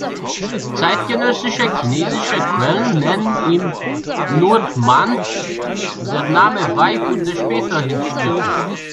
Zeitgenössische chinesische Quellen nennen ihn nur Man, der Name Wei wurde später hinzugefügt.